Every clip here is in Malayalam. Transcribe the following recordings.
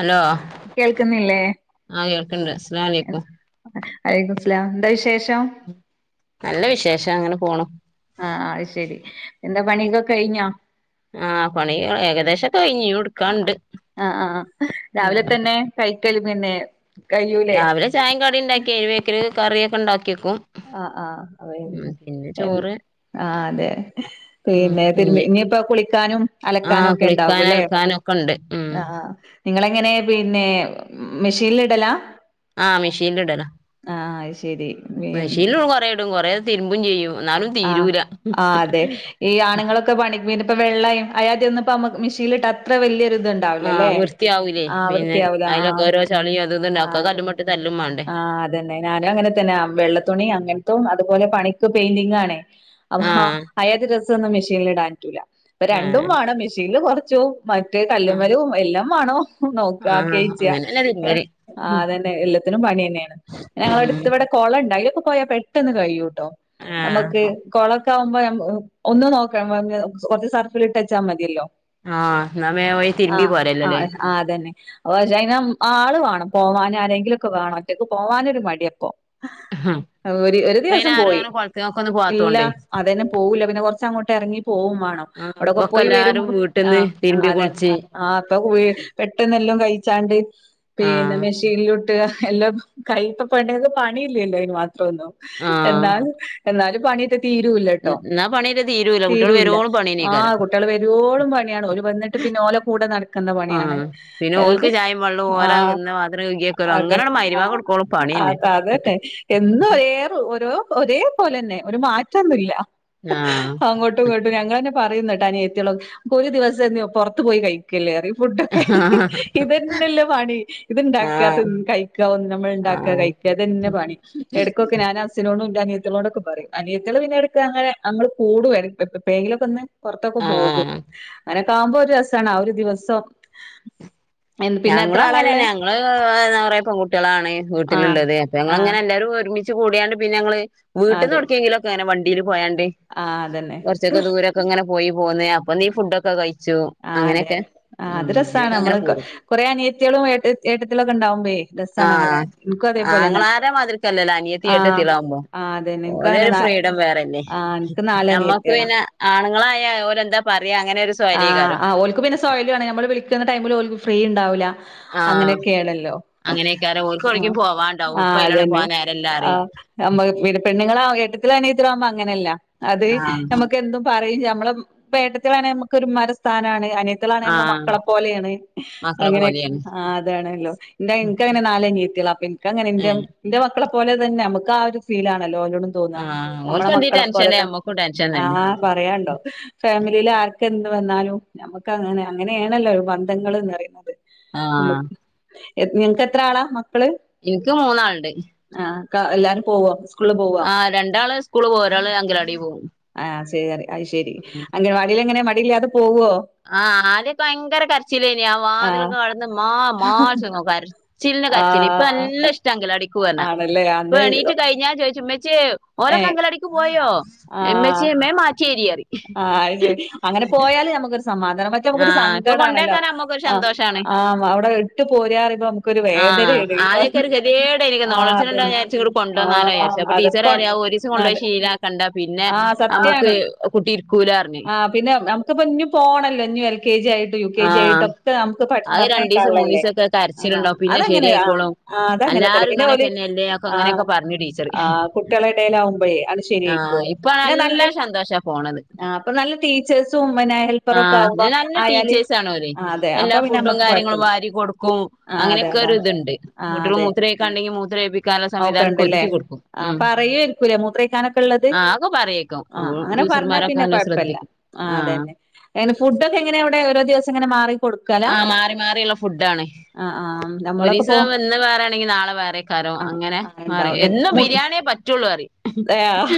ഹലോ കേൾക്കുന്നില്ലേ? ആ കേൾക്കണ്ട് അസ്സലാമലൈക്കും വാലൈകുസ്സലാം എന്താ വിശേഷം? നല്ല വിശേഷം അങ്ങനെ പോണു. അ ആ അഹ്ശെരി എന്താ പണിയൊക്കെ കെഴിഞ്ഞോ? ആ പണി ഏകദേശൊക്കെ കയിഞ്ഞ് ഇ [unintelligible] ഇട്ക്കാണ്ട്. ആഹ ആഹ് രാവിലെ തന്നെ കൈക്കല് പിന്നെ കയ്യൂലേ രാവിലെ ചായിം കടിണ്ടാക്കി അയിന്റെ ബേക്കില് കറിയൊക്കെണ്ടാ ക്ക്കും ആഹ് മ് പിന്നെ ചോറ് ആ അതെ ഉം പിന്നെതിരുമ്പി ഇഞ്ഞ് ഇഞ്പ്പോ കുളിക്കാനും ആ കുളിക്കാൻ അലക്കാനൊക്കെണ്ടാവു ല്ലേ? അലക്കാനും ഒക്കെ ഉണ്ട് ഉം ആഹ് ആ നിങ്ങളെങ്ങനെ പിന്നെ മ് മ്മിഷീല്ടലാ? ആ മിശീല്ടല അത് ശരി മിശീലു കൊറേടും കൊറേ തിരുമ്പും ചെയ്യും. എന്നാലും ആ തീരൂല ആ് അതെ ഈ ആണുങ്ങളൊക്കെ പണിക് പിന്നെ ഇപ്പൊ വെള്ളയ അയാദ്യൊന്നും ഇപ്പമ്മക്ക് മിഷീല്ട്ടാ അത്ര വല്യ [unintelligible] ആ ഇത്ണ്ടാവുലല്ലേ? വൃത്തിയാവൂലേ ആഹ പിന്നെ വൃത്തിയാവൂല ആ അതിലൊക്കെ ഓരോ ചളിയും അതും ഇതും ഉണ്ടാവും ഒക്കെ അതന്നെ കല്ലുമ്മട്ട് തല്ലും വേണ്ടേ ആഹ് അതന്നെ ഞാനുഅങ്ങനെത്തന്നെ ആ വെള്ളതുണി അങ്ങനത്തും അതുപോലെ പണിക്ക് പെയിന്റിങ്ങാണേ അപ്പൊ ആ അയാതി ഡ്രെസ്സൊന്നും മെഷീല്ടാൻറ്റൂല അപ്പൊ ആ രണ്ടുംമാണം മെഷീല് കൊറച്ചും മറ്റേ ആ കല്ല്മ്മലും എല്ലാമാണം നോക്കാ ആ ആക്യായ്ച്ച അങ്ങനെന്നെ തിരുമ്മല് ആ ഉം അതന്നെ എല്ല ത്തിനും പണിന്നെണ് ഉം പിന്നെഞങ്ങളട്ത്ത് ഇവടെ കൊളണ്ട് അയിലൊക്കെ പോയാ പെട്ടെന്ന് കയ്യു ട്ടോ ആ ഞമ്മക്ക് കൊള ക്കാക്കുമ്പോ നമ ഒന്നുംനോക്കാ [unintelligible] കൊറച്ച് സർഫില്ട്ട്ച്ചാ മതിയല്ലോ. ആഹ് എന്നാ വേം വഴി ആ തിരുമ്പി പോരല്ലോല്ലേ ആ അതന്നെ. [unintelligible] പക്ഷേ അയിനം ആള് വാണം പോവാനാരെങ്കിലൊക്കെ വേണം ഒറ്റക്ക് പോവാനൊരു മടിയാപ്പോ. ഒര് ഒരു ഇപ്പയിന് ദിവസം ആരും പോയി അങ്ങനെ കൊളത്തിങ്ങക്കൊന്നും ഇല്ല പോവാത്തോണ്ടേ അതന്നെ പോവൂല്ല പിന്നെ കൊറച്ചങ്ങോട്ട് എറങ്ങി പോവും മാണം ആഹ് അവിടൊക്കെ ഇപ്പൊക്കെ പോയി എല്ലാരും വരുമ്പോ ആ് വീട്ടിന്ന് തിരുമ്പി അതന്നെ കുളിച്ച് ആ അപ്പൊ ക [unintelligible] പെട്ടെന്നെല്ലും കഴിച്ചാണ്ട് പിന്നെ ആഹ് മിശീനിലു ട്ട് എല്ലോം കഴി ഇപ്പോ പെണ്ണ്ങ്ങക്ക് പണീല്യല്ലോ അയ്ന് മാത്രൊന്നും ആഹ് എന്നാൽ എന്നാലും തീരുല്ലട്ടോ എന്നാ പണിയൊക്കെ തീരൂല കുട്ടികള് തീരുല്ല വരോളം ആ പണിയന്നേക്കാരം കുട്ടിയള് വെരോളും പണിയാണ് ഓല് വെന്ന്ട്ട് പിന്നെ ഓല കൂടെ നട്ക്ക്ന്ന പണിയാണ് ആഹ് പിന്നെ ഓൽക്ക് എല്ലഹ് ചായേം വെള്ളോം ആ ഓലെ തിന്ന പാത്രം കഴുകി വെക്കലും അതെ അങ്ങനെങ്ങട് ആ മഗ്‌രിബാങ്ക് കൊടുക്കോളം പണിയന്നെ അത അതന്നെ എന്നും ഒരേ [unintelligible] ഒരേ പോലെന്നെ ഒരു മാറ്റൊന്നുല്ല ആഹ് അങ്ങോട്ടും ഇങ്ങട്ടും ഞങ്ങ പറയുന്നട്ടാ അനിയ എത്തിയുള്ള ഒരു ദിവസം പുറത്ത് പോയി കഴിക്കില്ലേറിയും ഫുഡൊക്കെ ഇതന്നെല്ല പണി ഇത്ണ്ടാക്ക ആഹ് കഴിക്ക ഒ നമ്മൾ ഉണ്ടാക്ക ആഹ് കഴിക്കുക തന്നെ പണി ഇടക്കൊക്കെ ഞൻഛനോ ഇന്റെ അനിയത്തിയളോടൊക്കെ പറിം അനിയത്തള് പിന്നെ എട്ക്കങ്ങനെ അങ്ങള് കൂടും ഇപ്പെഴങ്കിലൊക്കൊന്ന് പൊറത്തൊക്കെ പോകും ആഹ് അങ്ങനെക്കെ ആവുമ്പോ ഒരുരസാണ് ആ ഒരു ദിവസം എൻ പിന്നെ ഞങ്ങളും എത്ര ആളാ ഉള്ളേ അങ്ങനന്നെ ഞങ്ങള് എന്താ പറയാ പെണ്കുട്ടികളാണ് ആഹ് വീട്ടിലുള്ളത് അപ്പ ഞ ആഹ് ഇങ്ങനെ എല്ലാവാരും ഒരുമിച്ച് കൂടിയാണ്ട് പിന്നെ ങ്ങള് അതെ വീട്ടിൽന്ന്ടക്കിയെങ്കിലൊക്കെ അങ്ങനെ വണ്ടിൽ പോയാണ്ട് ആഹ് അതന്നെ കുറച്ചൊക്കെ ദൂരൊക്കെ ഇങ്ങനെ പോയി പോന്നേ അപ്പൊ നീ ഫുഡ്ക്കെ കഴി ആ അതെ ആ അത് രസമാണ് അങ്ങനെയൊക്കെ അങ്ങനെ നമ്മള് പോരും കുറെേ അനിയത്തിളും ഏ ഏട്ടത്തിളൊക്കെ ഉണ്ടാവുമ്പേ രസാണ് അങ്ങനെ ആഹ് എനിക്കും അതേപോലെന്നെ നിയത്തി ആ ഏട്ടത്തിയാവുമ്പോ ആ അതന്നെ എനിക്ക് അങ്ങനെ ഓലൊരു നാ ഫ്രീഡം വേറെന്നെ ആ എനിക്ക് നമ്മക്ക് നാലനിയത്തികളാ പിന്നെ ആണ്ങ്ങളെയെ ഒ രന്താ പാ ആ ഓല്ക്ക് പിന്നെ സോല്യണ നമ്മള് വിളിക്കുന്ന ടൈമിൽ ഓല്ക്ക് ഫ്രീ ഉണ്ടാവൂല്ല ആഹ് അങ്ങനെയൊക്കെയാണല്ലോ അങ്ങനെയൊക്കാരം ഓൽക്ക് ആ എവിടേക്കും പോവാണ്ടാവും ആ ഇപ്പ അയിനാണ് അതന്നെ പോവാൻ നേരല്ലാ ആ പറയും നമ്മ പി പണ്ണുങ്ങളാ ഏട്ടത്തിയാള് അനിയത്തിയാള് ആവ്പോ അങ്ങനെയല്ല അത് ആഹ് നമ്മുക്ക എന്തും പറയും നമ്മള പേട്ടത്തിലാണെ കുമ്മാര സ്ഥാനണ് അനിയത്താണ് നമ്മെ ആഹ് മക്കളെ പോലെയാണ് മക്കളെ അങ്ങന പോലെയാണ് ആ അതാണല്ലോ എന്താനങ്ങനെ നാല അങ്ങനെന്റെ ഏഹ് നെന്റെ മക്കളെ പോലെ തന്നെ നമുക്ക് ആ ഒരു ഫീല നലോലോടും തോന്ന ആഹ് നമ്മളെ ഓൽക്ക് എന്തേലും മക്കളെ പോലെ ടെൻഷൻണ്ടേ തന്നെ നമ്മക്കും ടെൻഷൻ തന്നെ ആഹ് പറയണ്ടോ ഫാമിലിൽ ആർക്ക എന്ത് വന്നാലും നമുക്ക് അങ്ങനെ അങ്ങനെയാണല്ലോ ബന്ധങ്ങൾ എന്ന് പറയുന്നത് ആ നമുക്ക് നിങ്ങക്ക് എത്ര ആളാ മക്കള് എനിക്ക് മൂന്നാളുണ്ട് ആഹ് എല്ലാരും പോകും ആ രണ്ടാള് സ്കൂള് പോ ഒരാള് അങ്കിലാടി പോകും ആഹ് ശ അത് ശരി അങ്ങനെവാടിൽങ്ങനെ ആഹ് ആദ്യൊക്കെ ഭയങ്കര കരച്ചില്ലേനി ആ ആഹ് വാതിലൊക്കെ കടന്ന് മാ മാ [unintelligible] ചില്നെ കരച്ചില് ഇപ്പൊ ആഹ് നല്ല ഇഷ്ടങ്കോ അങ്കലവാടിക് പോവന്ന് ആണല്ലേ ഇപ്പൊ അന്ന് എണീറ്റ് കഴിഞ്ഞാ ചോയിച്ചും ച്ചി ഓരോക്ക ഏഹ് ങ്കലാടിക്ക് പോയോ എമ്മച്ച മേം മാറ്റി ആ അ അങ്ങനെ പോയാല് നമുക്ക് സമാധാനം മറ്റേ നമുക്കൊരു ആഹ് ഇപ്പൊ സങ്കടമാണല്ലോ കൊണ്ടേക്കാൻ അമ്മക്കൊരു ആ സന്തോഷാണ് ആ അവിടെ ഇട്ട് പോരാറുമ്പുക് ആഹ് ആദ്യൊക്കെ ഒരു കെ തിയേടായിനിക്ക് ആഹ് നോളച്ച രണ്ടോ അതന്നെ വിചാരിച്ച കുപ്പുണ്ടോ നാലോ ആഹ് വിചാരിച്ചോ അപ്പൊ അതെ ടീച്ചർ കൊ പറിയും ഒരീസം കൊണ്ട് പോയി അതെ ശീലക്കണ്ട പിന്നെ നമുക്ക് കുട്ടി ഇരിക്കൂലാ പറഞ്ഞ് ആ പിന്നെ നമുക്കിപ്പൊ ഇഞ്ഞു പോണല്ലോ [unintelligible] കെ ജി ആയിട്ടു യു കെ ജി ആഹ് ആയിട്ടും ഒക്കെ നമുക്ക് അത് രണ്ടീസം പറഞ്ഞേക്കാള്ളല്ലേ മൂന്നീസൊക്കെ ആ കരച്ചിലുണ്ടാവും പിന്നെ അതങ്ങനെയ ആ ശരിയായിക്കോളും അത അങ്ങനെ തന്നെ എല്ലാരും പിന്നെ ഒരു ഇങ്ങനെയൊക്കെന്നെയല്ലേ ഒക്കെ ആ അങ്ങനെയൊക്കെ പറഞ്ഞു ടീച്ചർ ആ കുട്ടികളടേൽ ആവു മ്പോഴേ അത് ശരി ആ ഇപ്പ നല്ല സന്തോഷാ പോണത് ആ അപ്പൊ നല്ല ടീച്ചേഴ്സും പിന്നെ ഹെൽപ്പറും ഒക്കെ ആകുമ്പോ ടീച്ചേഴസ് ആണലെ എല്ലാ ഫുഡും കാര്യങ്ങളും കൊഴപ്പല്ല വാരി കൊടുക്കും ആഹ് അതെ അങ്ങനെയൊക്കെ അതാണ് ഒര്തുണ്ട് മൂത്രയിക്ക ണ്ടെങ്കി മൂ ക്കെ ഉണ്ടല്ലേ ആ ഉം അപ്പ പറയൂര്ക്കൂല്ലേ മൂത്രക്കാനൊക്കെ ള്ളത് ആഹ് അതൊക്കെ പറയേക്കും ആ അങ്ങനെ പറഞ്ഞ ടീച്ചർമാരൊക്കെ പിന്നെ നല്ല കൊയപ്പല്ല ശ്രദ്ധിക്കും ആ ആഹ് അതെന്നെ ങ്ങനെ ഫുടൊക്കെ ങ്ങനെ ടെ ഓരോ ദിവസം ഇങ്ങനെ മാറി കൊടുക്കാലാ ആഹ് മാറി മാറിയുള്ള ഫുഡാണ് ഒരീസം വന്ന് വേറെ ആണെങ്കി നാളെ വേറെകാരം ആഹ് അങ്ങനെ ആഹ് മാറി ഉണ്ടാവുംല്ലേ എന്നും മു ബിരിയാണിയേ പറ്റുള്ളു അറി ഏഹ് ആഹ്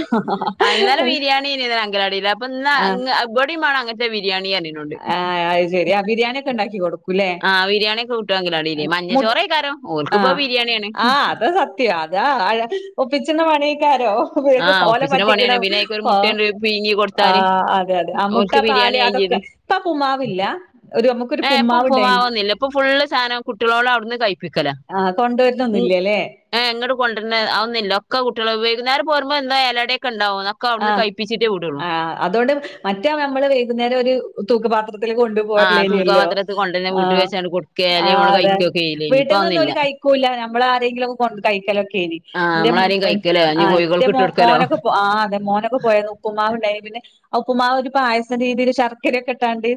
ആ ഇന്നലെ ബിരിയാണി ഇനി ഇതിന അങ്കലാടിയില്ല അപ്പൊ ഇ ഇബടിവണം അങ്ങനത്തെ ബിരിയാണി പറഞ് എന്നോട് ആ അയ്ശരി ആ ബരിയാണി ഒക്കെ ഉണ്ടാക്കി കൊടു ല്ല ആഹ് ബിരിയാണിയൊക്കെ കിട്ടും അങ്കലാടിയില് മു മഞ്ഞച്ചോറേക്കാരം ആ ഓൽക്കിപ്പോ ബിരിയാണിയാണ് ആ അത് സത്യ അതാ ആള് ഒപ്പിച്ച് തന്ന പണിയേക്കാ ഓ ഓഹ് ആഹ് ഓല ഒപ്പിച്ചിന്റെ പറ്റിക്ക്ണ പണിയാണ് പിന്നെ അയ്ക്ക് ഒരു ആഹ് മുട്ടണ്ട് പീങ്ങി കൊടുത്താല് ആഹ് അതെ അതെ മുട്ട ഓൽക്ക് പാൽ ബിരിയാണി ആയിം അതൊക്കെ ഇപ്പുമാവില്ല ഏ ഇപ്പൊ ഉപ്പുമാവന്നുല്ല ഇപ്പൊ ഫുള് സാധനം കുട്ടികളോട് അവിടുന്ന് കഴിപ്പിക്കല ആഹ് ഉം കൊണ്ടുവരുന്നൊന്നുംല്ലല്ലേ ഏഹ് ഇങ്ങട്ട് കൊണ്ടര്ന്നെ അതൊന്നുല്ല അതൊക്കെ കുട്ടികളാ ഉപയോഗിക്കുന്ന നേര പോരുമ്പോ എന്താ എലടക്കെണ്ട ആഹ് ആഹ് അതോണ്ട് മറ്റാ നമ്മള് വൈകുന്നേരം ഒരു തൂക്ക് പാ ത്രത്തില് കൊണ്ട് ആഹ് പോരലെനി അല്ലോ തൂക്കപാത്രത്ത് കൊണ്ടന്നെ വീട്ടിൽ ആഹ് വെച്ചാണ്ട് കൊടുക്കേ അല്ലെ ആഹ് നമ്മള് അതെ കഴിക്കൊക്കെ ചെയ്യലേനി ഇപ്പൊ അതൊന്നുല്ല വീട്ടിന്നൊന്നുംഓല് കഴിക്കൂല നമ്മളാരെങ്കിലൊക്കെ കൊണ്ടന്ന് കഴിക്കലൊക്കെനി ആഹ് ഇന്റെ നമ്മളാരേം കഴിക്കലോ ഇഞ്ഞ് കോഴികൾക്ക് ഇട്ട് [unintelligible] കൊടുക്കലോ മോനൊക്കെ ഇപ്പൊ ആഹ് അതെ മോനൊക്കെ പോയന്ന് ഉപ്പുമാവ് ഉണ്ടായിനി പിന്നെ ആ ഉപ്പുമാവ് ഒരു പായസ രീതിയിൽ ശർക്കരൊക്കെ ഇട്ടാണ്ട്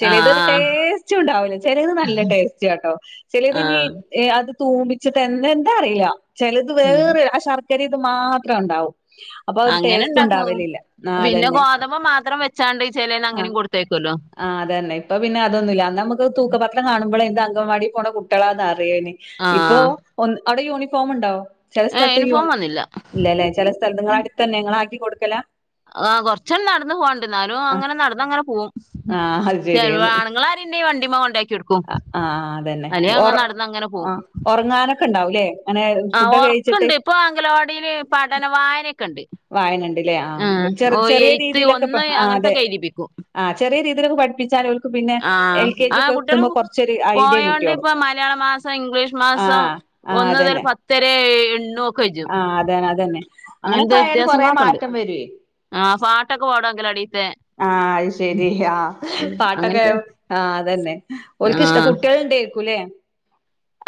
ചിലതൊരു ആഹ് ടേസ്റ്റും ഉണ്ടാവില്ല ചിലത് നല്ല ടേസ്റ്റാട്ടോ ചിലത് ഇനി ആഹ് ഏഹ് അത് തൂമ്പിച്ചിട്ടാ എന്താ അറീല ചിലത് ഉം വേറെ ആ ശർക്കരിം ഇതും മാത്രാ ഉണ്ടാവൂ അപ്പൊ അത് അങ്ങനെ ഇണ്ടാക്കുംഅതും പിന്നെ ഗോതമ്പ് മാത്രം വെച്ചാണ്ട് ചെലേന്ന് ആ അങ്ങനേം കൊടുത്തേക്കുവല്ലോ ആഹ് അതന്നെ ഇപ്പ പിന്നെ അതൊന്നുമല്ല അന്നമ്മക്ക് തൂക്കപത്രം കാണുമ്പോളെ എന്താ അങ്കൻവാടി പോണ കുട്ടികളാന്ന് അറിയേനി ഇപ്പോ ആഹ് ഒന്ന് അവിടെ യൂണിഫോം ഉണ്ടോ ചില ഏഹ് സ്ഥലത്ത് യൂണിഫോം യൂണി വന്നില്ല ഇല്ലല്ലേ ചില സ്ഥലത്ത് നിങ്ങളടുത്തന്നെ നിങ്ങളാക്കി കൊടുക്കലാ ആഹ് കൊറച്ചണ്ട് നടന്ന് പോകാണ്ട് ന്നാലും ആഹ് അങ്ങനെ നടന്ന് അങ്ങനെ പോവും ആഹ് അത് ചെലപ്പോ ആണുങ്ങൾ ആരെങ്കിലുമുണ്ടെങ്കി അ ആഹ് അതന്നെ അല്ലേ അങ്ങ് ഒർ നടന്നങ്ങനെ പോവും ഉറങ്ങാനൊക്കെ ഉണ്ടാവൂലേ ആഹ് ഉറക്കണ്ട് ഇപ്പൊ അങ്കലവാടീല് പഠന വായനൊക്കെ ഉണ്ട് വായനുണ്ട് ലെ ആഹ് ചെറ ചെറിയ എയ്ത്ത് രീതിയിലൊക്കെ ഒന്ന് ആഹ് അതെ അങ്ങനത്തൊക്കെ എഴുതിപ്പിക്കും ആഹ് ചെറിയ രീതിയിലൊക്കെ പഠിപ്പിച്ചാൻ ഒ ആഹ് ആഹ് കുട്ടികള് ഐഡിയ പോയോണ്ട് കിട്ടിയോളും ഇപ്പൊ മലയാള മാസം ഇംഗ്ലീഷ് മാസം ആഹ് ഒന്നുതൽ പത്തെരെ എ എണ്ണും ആഹ് അതന്നെ അതന്നെ അങ്ങനോക്കെ ആയാല് കൊറേ മാറ്റം വരുവേ ആഹ് പാട്ടൊക്കെ പാടും അൻങ്കലാടീത്തെ ആഹ് അത് ശെരി ആഹ് പാട്ടൊക്കെ അങ്ങനത്തെ ആഹ് അതന്നെ ആ ഓല്ക്ക് ഇഷ്ട്ടാ കുട്ടികൾ ഇണ്ടെക്കും ലെ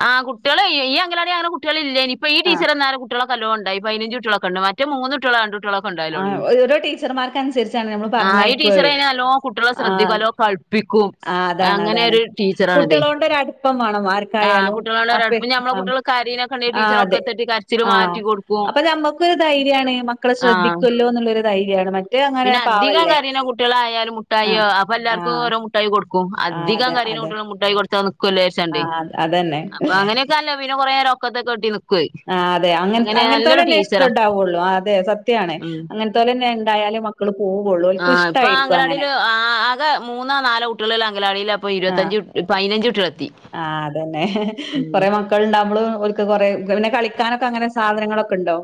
ആഹ് കുട്ടികൾ ഈ അങ്കലാടീല് അങ്ങനെ കുട്ടികളില്ലെനി ഇപ്പൊ ഈ ടീച്ചർ ആഹ് വന്നാരെ കുട്ടികളൊക്കെല്ലോം ഉ ണ്ടായി പതിനഞ്ചുട്ടികളൊക്കെ ഉണ്ട് മറ്റെ മൂന്ന് ട്ടി ളോ രണ്ട് ട്ടിളൊക്കെ ആഹ് ഉണ്ടാവാലോള്ളെനി ഓരോ ടീച്ചർമാർക്ക് അനുസരിച്ചാണ് നമ്മള് ആഹ് ഈ ടീച്ചർ പറഞ്ഞയക്കുവേ അയിന് നല്ലോം കുട്ടികളെ ശ്രദ്ധിക്കും ആഹ് നല്ലോം കള് പ്പിക്കും ആഹ് അതാണ് അങ്ങനെ അതാണ് ഒരു ടീച്ചറാണിതെ കുട്ടികളോണ്ട് ഒരു അടുപ്പം വേണം ആഹ് ആർക്കായാലും കുട്ടികളൊണ്ട് അപ്പെ ഒടുപ്പം ഞമ്മളെ ആഹ് കുട്ടികൾ കരീനൊക്കെ ഉണ്ടെങ്കിൽ ആഹ് അതെ ടീച്ചറൊക്കെത്തെട്ടി കരച്ചില് ആഹ് മാറ്റി കൊടുക്കും അപ്പൊ നമ്മക്കൊരു ധൈര്യാണ് മക്കളെ ആ ശ്രദ്ധിക്കല്ലോ എന്നുള്ളൊരു ധൈര്യാണ് മ പിന്നെ അധികം കറീണ കുട്ടികളായാലും മുട്ടായോ ആഹ് അപ്പൊ എല്ലാർക്കും ആഹ് ഓരോ മുട്ടായി കൊടു ക്കും ആഹ് അധികം അതെ കരീണ അതെ കുട്ടികൾ മുട്ടായി കൊട് ത്താ നിക്കുവല്ലോ വിചാരിച്ചാണ്ട് ആഹ് അതന്നെ അപ്പൊ അങ്ങനെയൊക്കെ നല്ല വി പിന്നെ കൊറേ നേരം ഒക്കത്തൊക്കെ കെട്ടി നിക്കും ആഹ് അതെ അങ്ങന അങ്ങനെത്തോലെ തന്നെ ടീച്ചറാ ഇഷ്ടണ്ടാവുള്ളു അതെ സത്യാണ് ഉം അങ്ങനത്തോ ലന്നെ ണ്ടായാലും മക്കളും ആഹ് ഇപ്പൊ ആ അങ്കലാടിൽ ആകെ മൂന്നോ നാലോ കുട്ടികളുള്ള അങ്കലാടീലാപ്പൊ ആഹ് ഇരുപത്തിഞ്ച് പതിനഞ്ച് കുട്ടികളെത്തി ആഹ് അതന്നെ ഉം കൊറെ മക്കൾ ഉണ്ടാവുമ്പളും ഓല്ക്ക് കുറേ പിന്നെ കളിക്കാനൊക്കെ അങ്ങനെ സാധനങ്ങളൊക്കെ ഉണ്ടോ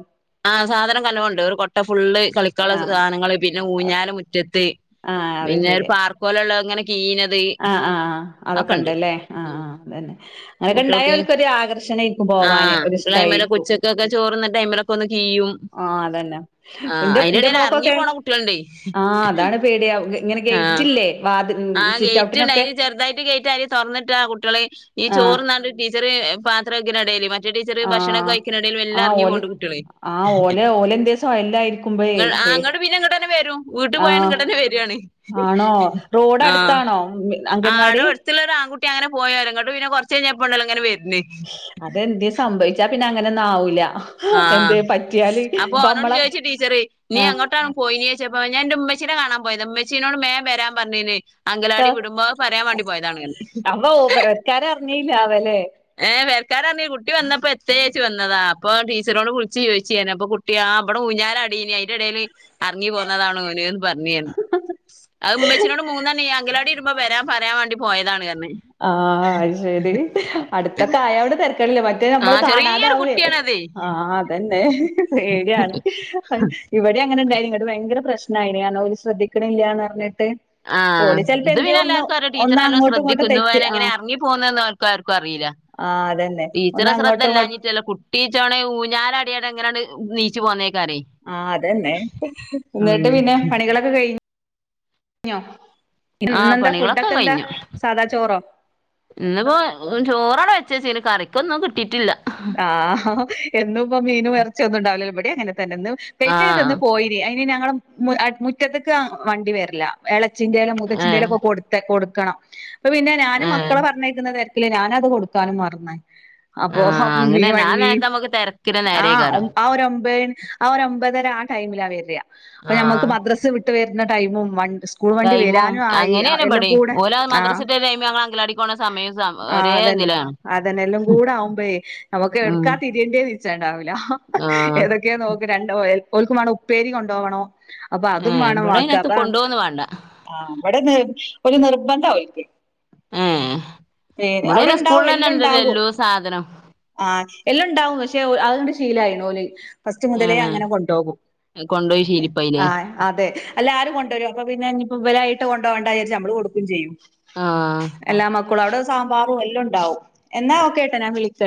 ആ സാധനം ഒക്കെ നല്ലോം ഉണ്ട്. ഒരു കൊട്ട ഫുള്ള് കളിക്കാനുള്ള ആഹ് സാധനങ്ങള് പിന്നെ ഊഞ്ഞാല് മുറ്റത്ത് ആഹ് അത് പിന്നെ ഒരു ശെരി. പാർക്ക് പോലെ ഉള്ള ഇങ്ങനെ കീഞ്ഞത് ആഹ് ആഹ് അതൊക്കെ അതൊക്കെണ്ട് ഉണ്ടല്ലേ ആഹ് ഉം ആഹ് അതന്നെ അങ്ങനൊക്കെ ഉണ്ടായ കുട്ടികൾക്ക് ഓല്ക്ക് ഒരു ആകർഷണേക്കും പോവാന് ആഹ് ഒരു കുട്ടികള് അയ്മേലൊക്കെ ഇഷ്ട്ടായിരിക്കും ഉച്ചക്കൊക്കെ ചോറുണ്ണ ടൈമിലൊക്കെ ഒന്ന് കീയും ആഹ് അതന്നെ ആഹ് ന്റെ അയിന്റെ ന്റെ ഇടയിൽ എറങ്ങി മോക്കൊക്കെ പോണ കുട്ടികളുണ്ടേ ആഹ് അതാണ് പേടിയാവും ഇ ഇങ്ങനെ ഗെയ്റ്റില്ലേ വാത് ആഹ് ഗെയ്റ്റുണ്ട് അതിന് ചെറുതായിട്ട് ഗേറ്റ് ആരെങ്കിലും തുറന്നിട്ടാ കുട്ടികള് ഈ ആഹ് ചോറ്ന്നാണ്ട് ടീച്ച റ് പത്രം കഴുകുന്ന ഇടയിൽ മ റ്റെ ടീച്ചർ ഭക്ഷണൊക്കെ ആഹ് കഴിക്കുന്ന ഇടയിൽ മെല്ലെ ആഹ് ഇറങ്ങി ഓല് പോണ്ട് കുട്ടികള് ആഹ് ഓലെ ഓലെന്തേ സൊയലായിരിക്കുമ്പഴേ ആഹ് പേ ഇങ്ങട്ട് പിന്നെ ഇങ്ങട്ടന്നെ വരും വീട്ടു പോയാണ്ട് ആഹ് ഇങ്ങട്ടന്നെ വരുവാണ് ടെ അടുത്താണോ അംഗൻവാടി ഒരു കുട്ടി അങ്ങനെ പോയേലോങ്ങട്ട് പിന്നെ കുറച്ചയിഞ്ഞപ്പൊണ്ടല്ലോ ഇങ്ങനെ വരുന്നു അതെന്തേ സംഭവിച്ചാ പിന്നെ അങ്ങനെ ഒന്നും ആവൂല ആഹ് എന്തേ പറ്റിയാല് അപ്പൊ ഇപ്പ ഓനോട് നമ്മളെ ചോയ്ച്ചു ടീച്ചർ നീ ആഹ് എങ്ങോട്ടാണ് പോയിനീച്ചപ്പോ ഞാൻ ഇന്റെ ഉമ്മ ച്ചിനെ കാണാൻ പോയതാ ഇമ്മച്ചീനോട് മേം വരാൻ പറഞ്ഞീന് അങ്കലാടി വിടുമ്പോ അത് പറയാൻ വേണ്ടി പോയതാണ് ന്ന് അപ്പൊ പെരക്കാര് അറിഞ്ഞില്ലാവല്ലേ ഏ പെരക്കാരർഞ്ഞ് കുട്ടി വന്നപ്പോ എത്തയേച്ചു വന്നതാ അപ്പൊ ടീച്ചർനോട് വിളിച്ചു ചോയ്ച്ചു ഞാന് അപ്പൊ കുട്ടി ആ ഇവടെ ഊഞ്ഞാലാടീനീ അയ്ന്റെ എടേല് അറങ്ങി പോന്നതാണ് ഓന് ന്ന്. പറഞ്ഞ് ന്ന് അത് ഉമ്മച്ചിനോട് മൂന്നണി അങ്കലാടി വിട്മ്പോ വരാൻ പറയാൻ വാണ്ടി പോയതാണ് അർഞ്ഞ് ആഹ് അയ് ശരി അടുത്തക്കെ ആയോണ്ട് തരക്കടില്ല മ റ്റത് നമ്മള് ആഹ് ചെറിയൊരു കാണാതാവേ കുട്ടിയാണത് ആ അതെ ഏട്യാണ് ഇവടിം അങ്ങനെണ്ടാ ഇങ്ങട്ട് വയങ്കര പ്രശ്നായിന് അർഞ് ഓല് ശ്രദ്ധിക്ക്ണില്യാന്ന് അർഞ് ട്ട് ആഹ് ഓല് ചെലപ്പോ ഇത് എന്തയോ പിന്നെ ഒന്ന് എല്ലാർക്കും അറിയാ ടീച്ചർ ഒന്ന് നല്ലോം അങ്ങോട്ടും ഇങ്ങോട്ടും ശ്രദ്ധിക്കും തെ ഇത് ഓന് എങ്ങനെ അറങ്ങി പോന്ന് ന്ന് ഓർക്കാർക്കും അറീല ആഹ് അതന്നെ. ഒന്ന് ടീച്ചറെ അങ്ങോട്ടും ഇങ്ങോ ശ്രദ്ധല്ലാഞ്ഞിട്ടല്ല കുട്ടീ ചോണ് ഊഞ്ഞാലാടിയാട് അങ്ങനെണ്ട് നീച്ചു പോന്നേ ആ അതന്നെ ഉം എന്നിട്ട് പിന്നെ പണികളൊക്കെ കഴി ഞ്ഞോ ആഹ് ഇന്നെന്താ പണികളൊക്കെ ഫുഡൊക്കെ എന്താ സാദാ ചോറോ? ഇന്ന്പ്പോ ചോറടെ വെച്ചേച്ച്ന് കറിക്കൊന്നും കിട്ടീട്ടില്ല. ആ ഹാ എന്നും ഇപ്പൊ മീനും എറച്ചിം ഒന്നും ഇണ്ടാവൂലലൊ ഇബടിം അങ്ങനെ തന്നെ ഇന്ന് പൈസയെ ആഹ് തന്ന് പോയിന് അയ്ന് ഞങ്ങളെ മു അ മുറ്റത്ത്ക്ക് വണ്ടി വര്ല എളേ അച്ചിന്റെേലും മുതച്ചിന്റെറെേലൊ ച്ചിൻ്റേലൊ മൂത്തച്ചിൻ്റെ ലോ ഏഹ് ഒക്കെ കൊടുത്ത കൊടുക്കണം. അപ്പൊ പിന്നെ ഞാനും ഏഹ് മക്കളെ പറഞ്ഞയക്ക്ന്ന തെര ക്കില് ഞാനത് കൊട്ക്കാനും മറന്ന ഓ ആഹ് ഹം വീ അങ്ങനെന്നെ വൺ ആ വീ നേരത്ത് നമ്മക്ക് തെരക്കിന്റെ ആ നേരേക്കാരം ആ ഒരമ്പയ് ആ ഒര മ്പതരാ ആ ടൈമിലാ വര അപ്പ ഞമക്ക് ആഹ് മദ്രസ വിട്ട് വരുന്ന ടൈമും വൺ സ്കൂൾ വണ്ടി ടൈമും വരാനും ആയി ആ അങ്ങനെയാണ് എല്ലാം ഇബടിം കൂടെ ഓല് ആഹ് മദ്രസട്ട ടൈം ഞങ്ങള് അങ്കലാടിക്ക് പോണ സമയം സ ആ ഒരേ അതന്നെ ഇതിലാണ് അതന്നെ എല്ലാം കൂടെ ആവുമ്പേ നമുക്ക് ഉം എവ്ട്ക്കാ തിരിയേണ്ടി നി ണ്ടാവൂല ആഹ് ഏതൊക്കെയാ നോക്ക് രണ്ടോൽ ഓൽക്കും വാണം ഉപ്പേരി കൊണ്ടോവണം അപ്പൊ അതും ഏഹ് വാണം ഇബടെ വാക്ക അയിനത്ത് അപ്പ കൊണ്ടോവൊന്നും വാണ്ട ആ ഇവ്ടെത് ഒരു നിർബന്ധാ ഓൽക്ക് ഏഹ് പേര് ഇബടെ പിന്നെ അവടെണ്ടാവും സ്കൂളിലെന്നെ ഇണ്ടല്ലോ എല്ലോണ്ടാവും എല്ലോ സാധനം ആഹ് എല്ലോം ഇണ്ടാവും പക്ഷെ അത്ണ്ട് ശീലായിണ് ഓല് ഫസ്റ്റ് മുതലേ ഏഹ് അങ്ങനെ കൊണ്ടോകും കൊണ്ടോയി ശീലിപ്പയിലേ ആഹ് അതെ അല്ലാരും കൊണ്ടുവരും അപ്പൊ പിന്നെ ഇഞ്ഞ് ഇപ്പോ ഇവലായ് ട്ട് കൊണ്ടോവണ്ട വിചാരിച്ച് നമ്മള് കൊടുക്കും ചെയ്യും ആഹ് ക്കൊളൂ അവടെ സാമ്പാറും എല്ലോംണ്ടാവും എന്നാ ഒക്കെ ട്ടാ ഞാൻ വിളി